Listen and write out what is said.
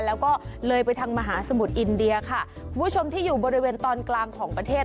แล้วก็เลยไปทางมหาสมุทรอินเดียค่ะคุณผู้ชมที่อยู่บริเวณตอนกลางของประเทศ